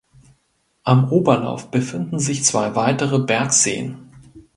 Am Oberlauf befinden sich zwei weitere Bergseen.